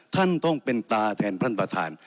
ท่านต้องเป็นตาแทนท่านประธาน